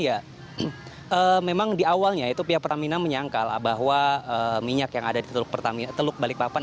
ya memang di awalnya itu pihak pertamina menyangkal bahwa minyak yang ada di teluk balikpapan